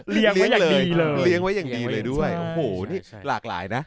เลี้ยงเลยเลี้ยงไว้อย่างดีเลยด้วยโอ้โหนี่หลากหลายนะ